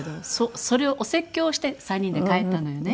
それをお説教をして３人で帰ったのよね。